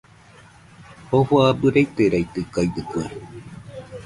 Jofo abɨ raitɨraitɨkaɨdɨkue.